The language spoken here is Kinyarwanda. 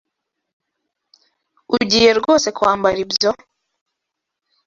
Ugiye rwose kwambara ibyo?